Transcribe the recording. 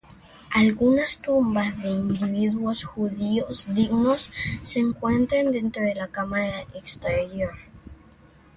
Algunas tumbas de individuos judíos dignos se encuentran dentro de la cámara exterior.